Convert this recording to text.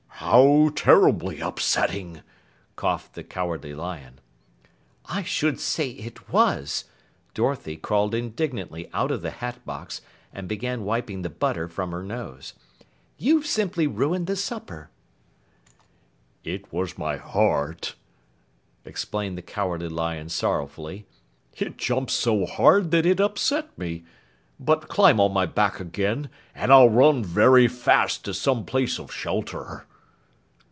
"How terribly upsetting," coughed the Cowardly Lion. "I should say it was!" Dorothy crawled indignantly out of the hat box and began wiping the butter from her nose. "You've simply ruined the supper!" "It was my heart," explained the Cowardly Lion sorrowfully. "It jumped so hard that it upset me, but climb on my back again, and I'll run very fast to some place of shelter."